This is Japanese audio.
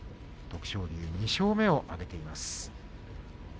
２勝目を挙げています。